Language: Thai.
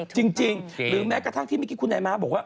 จริงหรือแม้กระทั่งที่เมื่อกี้คุณนายม้าบอกว่า